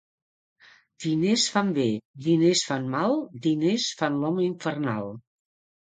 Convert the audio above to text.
Diners fan bé, diners fan mal, diners fan l'home infernal.